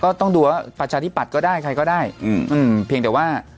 ต้องดูว่าประชาธิปัตย์ก็ได้ใครก็ได้อืมเพียงแต่ว่า